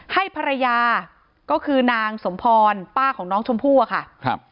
ให้ภรรยาก็คือนางสมพรป้าของน้องชมพู่อะค่ะครับ